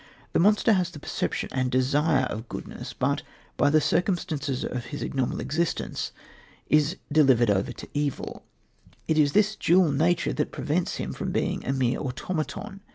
The monster has the perception and desire of goodness, but, by the circumstances of his abnormal existence, is delivered over to evil. It is this dual nature that prevents him from being a mere automaton.